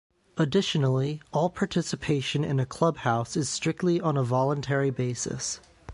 Additionally, all participation in a clubhouse is strictly on a voluntary basis.